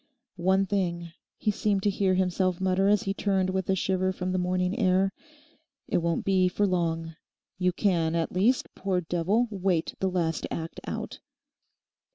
'One thing,' he seemed to hear himself mutter as he turned with a shiver from the morning air, 'it won't be for long. You can, at least, poor devil, wait the last act out.